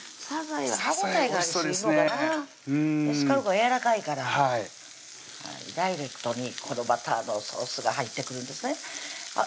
エスカルゴはやわらかいからはいダイレクトにこのバターのソースが入ってくるんですねあっ